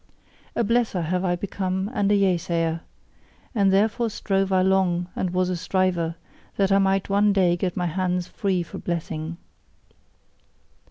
A blesser have I become and a Yea sayer: and therefore strove I long and was a striver, that I might one day get my hands free for blessing.